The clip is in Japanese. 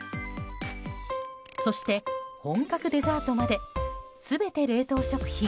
そして、本格デザートまで全て冷凍食品。